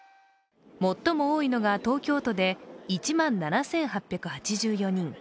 最も多いのが東京都で１万７８８４人。